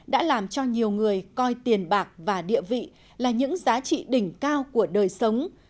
đã làm cho nhiều người coi tiền bạc và địa vị là những giá trị đỉnh cao của đời sống